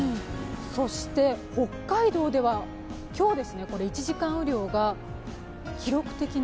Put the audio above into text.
そして北海道では今日、１時間雨量が記録的な。